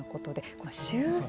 この修繕。